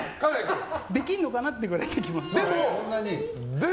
できるのかなってくらい来ます。